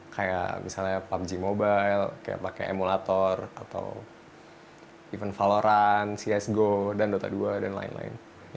kayak misalnya pubg mobile kayak pake emulator atau even valorant csgo dan dota dua dan lain lain